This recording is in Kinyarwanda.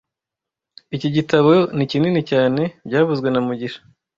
Iki gitabo ni kinini cyane byavuzwe na mugisha